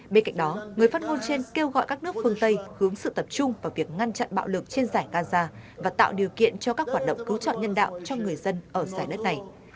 bên cạnh đó người phát ngôn trên kêu gọi các nước phương tây hướng sự tập trung vào việc ngăn chặn bạo lực trên giải gaza và tạo điều kiện cho các hoạt động cứu trợ nhân đạo cho người dân ở giải đất này